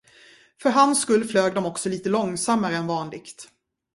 För hans skull flög de också litet långsammare än vanligt.